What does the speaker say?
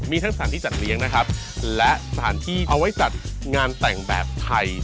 มีทั้งสถานที่จัดเลี้ยงนะครับและสถานที่เอาไว้จัดงานแต่งแบบไทย